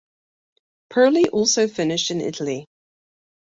Purley also finished in Italy.